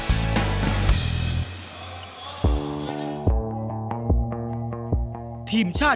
ค่อยสอนเราอะไรเราก็พัฒนาขึ้นมาครับ